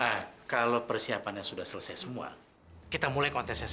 apa pak better pendamnya buat pak teran raise unggul